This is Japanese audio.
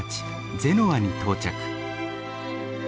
ゼノアに到着。